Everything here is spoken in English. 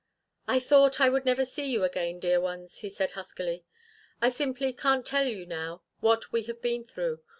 "I thought I would never see you again, dear ones," he said huskily. "I simply can't tell you now what we have been through.